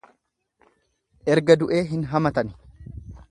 Erga du'ee hin hamatani.